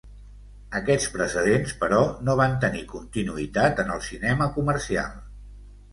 Aquests precedents, però, no van tenir continuïtat en el cinema comercial.